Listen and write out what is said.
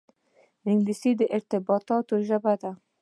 انګلیسي د ارتباطاتو ژبه ده